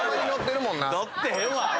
乗ってへんわアホ！